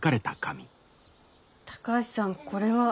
高橋さんこれは？